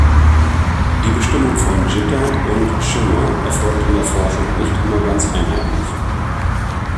Die Bestimmung von Jitter und Shimmer erfolgt in der Forschung nicht immer ganz einheitlich.